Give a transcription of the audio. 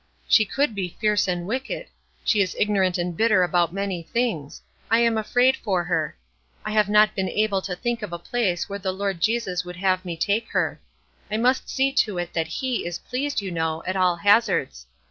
She could be fierce and wicked; she is ignorant and bitter about many things; I am afraid for her. I have not been able to think of a place where the Lord Jesus would have me take her. I must see to it that He is pleased, you know, at all hazards.